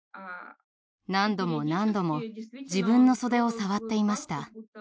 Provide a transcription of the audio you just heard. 何度も何度も自分の袖を触っていました。